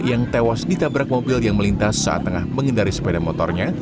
yang tewas ditabrak mobil yang melintas saat tengah mengendari sepeda motornya